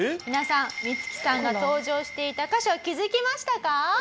「皆さん光輝さんが登場していた箇所気づきましたか？」